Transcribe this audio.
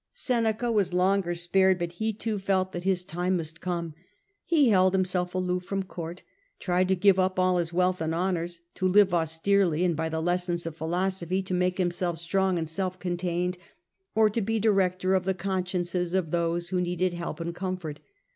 Seneca was longer spared, but he too felt that his time must come. He held himself aloof from court, tried to Seneca wealth and honours, to live spared for a austerely, and by the lessons of philosophy to make himself strong and self contained, or to be director of the consciences of those who needed help and comfort.